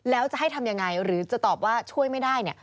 แล้วจะให้ทำยังไงหรือจะตอบว่าช่วยไม่ได้